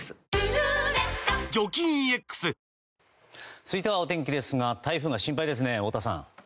続いてはお天気ですが台風が心配ですね、太田さん。